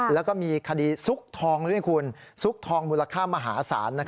แล้วก็มีคดีซุกทองด้วยคุณซุกทองมูลค่ามหาศาล